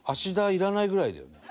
いらないぐらいだよね。